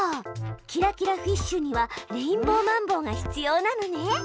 キラキラフィッシュにはレインボーマンボウが必要なのね！